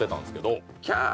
「キャー」